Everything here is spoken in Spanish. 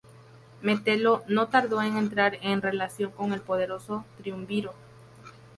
Metelo no tardó en entrar en relación con el poderoso triunviro.